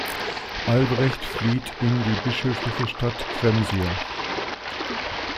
Albrecht flieht in die bischöfliche Stadt Kremsier.